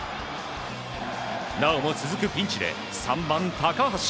なおも続くピンチで３番、高橋。